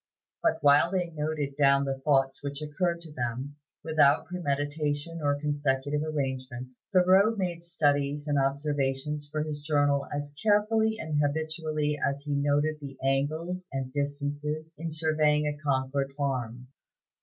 But while they noted down the thoughts which occurred to them, without premeditation or consecutive arrangement, Thoreau made studies and observations for his journal as carefully and habitually as he noted the angles and distances in surveying a Concord farm.